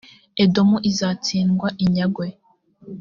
edomu izatsindwa, inyagwe.